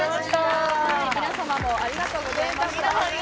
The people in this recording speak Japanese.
皆様もありがとうございました。